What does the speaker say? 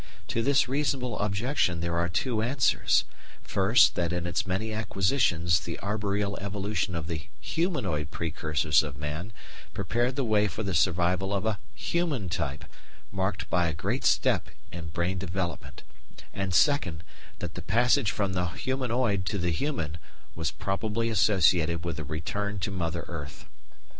To this reasonable objection there are two answers, first that in its many acquisitions the arboreal evolution of the humanoid precursors of man prepared the way for the survival of a human type marked by a great step in brain development; and second that the passage from the humanoid to the human was probably associated with a return to mother earth.